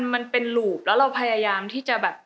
มันเป็นรูปแล้วเราพยายามที่จะแบบ